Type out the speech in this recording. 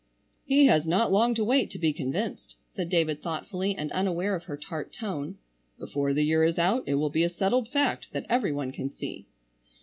"He has not long to wait to be convinced," said David thoughtfully and unaware of her tart tone. "Before the year is out it will be a settled fact that every one can see."